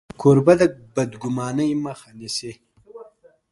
کوربه د بدګمانۍ مخه نیسي.